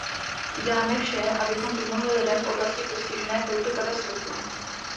Uděláme vše, abychom pomohli lidem v oblasti postižené touto katastrofou.